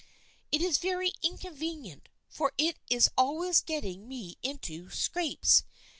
It is very inconvenient, for it is always getting me into scrapes.